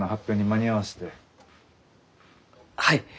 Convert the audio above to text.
はい。